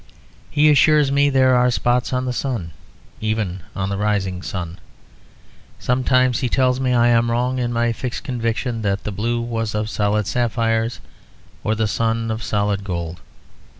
He assures me there are spots on the sun, even on the rising sun. Sometimes he tells me I am wrong in my fixed conviction that the blue was of solid sapphires, or the sun of solid gold.